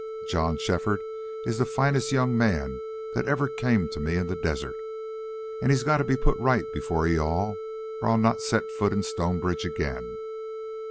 John Shefford is the finest young man that ever came to me in the desert. And he's got to be put right before you all or I'll not set foot in Stonebridge again....